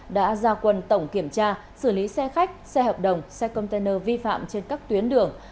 đã ra quần tổng kiểm tra xử lý xe khách xe hợp đồng xe container vi phạm trên các tuyến đường